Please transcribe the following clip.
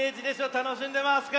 たのしんでますか？